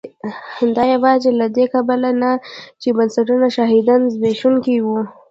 دا یوازې له دې کبله نه چې بنسټونه شدیداً زبېښونکي وو.